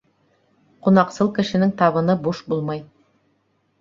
Ҡунаҡсыл кешенең табыны буш булмай.